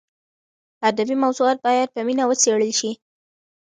ادبي موضوعات باید په مینه وڅېړل شي.